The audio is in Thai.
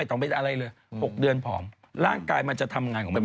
ต้องเป็นอะไรเลย๖เดือนผอมร่างกายมันจะทำงานของมัน